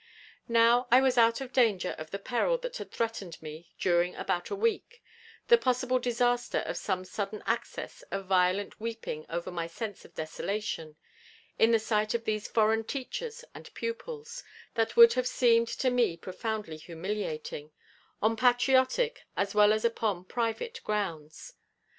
Now I was out of danger of the peril that had threatened me during about a week, the possible disaster of some sudden access of violent weeping over my sense of desolation, in the sight of these foreign teachers and pupils, that would have seemed to me profoundly humiliating, on patriotic, as well as upon private grounds.